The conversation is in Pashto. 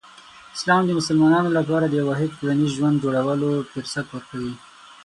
اسلام د مسلمانانو لپاره د یو واحد ټولنیز ژوند جوړولو فرصت ورکوي.